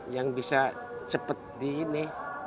yang bisa seperti ini